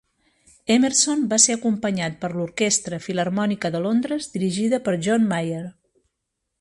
Emerson va ser acompanyat per l'Orquestra Filharmònica de Londres, dirigida per John Mayer.